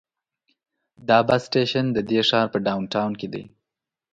دا بس سټیشن د دې ښار په ډاون ټاون کې دی.